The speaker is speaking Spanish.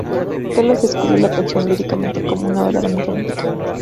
Carlos describió la canción líricamente como "una balada muy romántica".